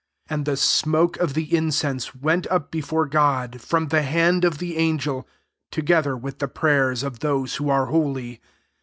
4 And the smoke of the incense went up before God from the hand of the angel, together with the prayers of those who are holy.